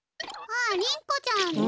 あありん子ちゃん！